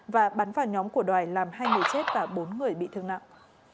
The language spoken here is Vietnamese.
và bắn vào nhóm của đoài làm hai người chết và bốn người bị thương nặng